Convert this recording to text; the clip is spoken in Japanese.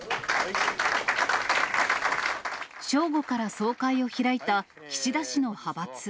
正午から総会を開いた岸田氏の派閥。